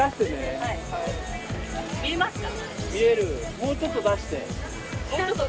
もうちょっと出して。